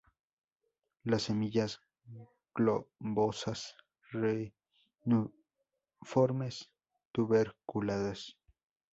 Las semillas globosas-reniformes, tuberculadas.